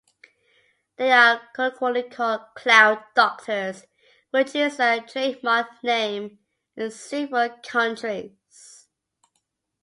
They are colloquially called "clown doctors" which is a trademarked name in several countries.